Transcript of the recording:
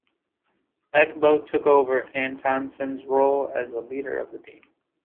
Eckbo took over Antonsen's role as the "leader" of the team.